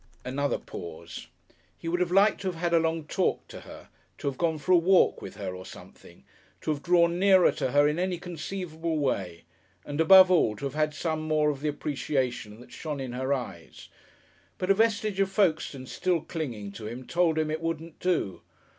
Another pause. He would have liked to have had a long talk to her, to have gone for a walk with her or something, to have drawn nearer to her in any conceivable way, and, above all, to have had some more of the appreciation that shone in her eyes, but a vestige of Folkestone still clinging to him told him it "wouldn't do."